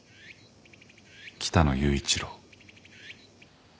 北野裕一郎」